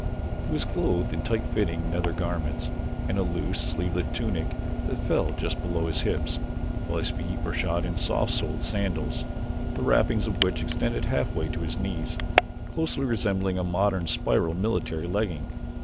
He was clothed in tight fitting nether garments and a loose, sleeveless tunic that fell just below his hips, while his feet were shod in soft soled sandals, the wrappings of which extended halfway to his knees, closely resembling a modern spiral military legging.